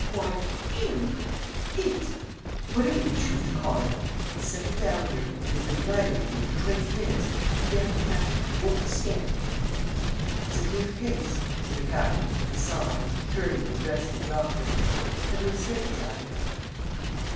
"Why, him it whatever you choose to call it. He's settled down here, and has been black guarding me for twenty minutes, and, damn it, captain, I won't stand it!" "It's a clear case," said the captain, with a sigh, turning and addressing the doctor. "Have you a strait jacket?"